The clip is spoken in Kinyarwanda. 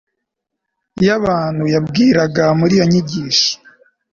y'abantu yabwiraga muri iyo nyigisho